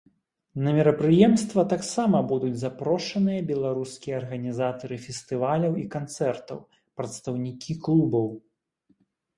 На мерапрыемства таксама будуць запрошаныя беларускія арганізатары фестываляў і канцэртаў, прадстаўнікі клубаў.